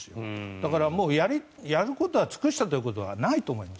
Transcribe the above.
だから、やることは尽くしたということはないと思います。